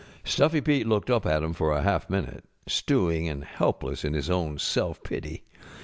StuflŌĆÖy Pete looked up at him for a half minute, stewing and helpless in his own self pity.